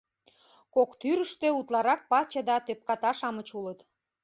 Кок тӱрыштӧ утларак паче да тӧпката-шамыч улыт.